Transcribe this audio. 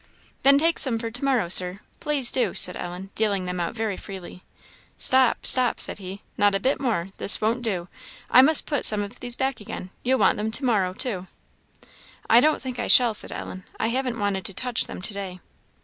"Then take some for to morrow, Sir please do," said Ellen, dealing them out very freely. "Stop, stop!" said he "not a bit more; this won't do I must put some of these back again; you'll want them to morrow, too." "I don't think I shall," said Ellen; "I haven't wanted to touch them to day."